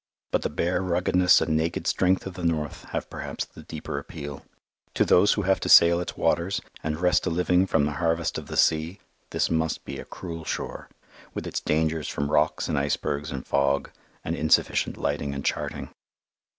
But the bare ruggedness and naked strength of the north have perhaps the deeper appeal. To those who have to sail its waters and wrest a living from the harvest of the sea, this must be a cruel shore, with its dangers from rocks and icebergs and fog, and insufficient lighting and charting.